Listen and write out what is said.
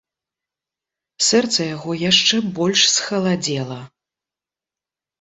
Сэрца яго яшчэ больш схаладзела.